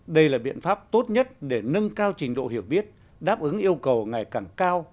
đây là biện pháp tốt nhất để nâng cao trình độ hiểu biết đáp ứng yêu cầu ngày càng cao